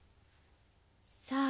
さあ？